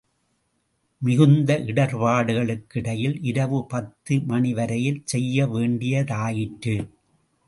மிகுந்த இடர்ப்பாடுகளுக்கிடையில் இரவு பத்து மணிவரையில் செய்ய வேண்டியதாயிற்று.